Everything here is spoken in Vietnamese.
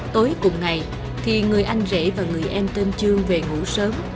tối cùng ngày thì người anh rể và người em tên trương về ngủ sớm